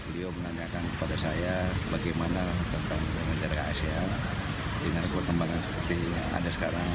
dia menanyakan kepada saya bagaimana tentang menjaga asia dengan pertemuan seperti yang ada sekarang